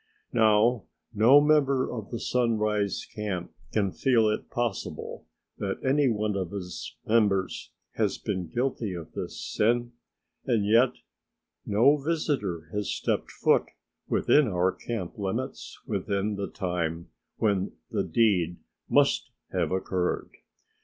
Now no member of the Sunrise Camp can feel it possible that any one of its members has been guilty of this sin and yet no visitor has stepped foot within our camp limits within the time when the deed must have occurred.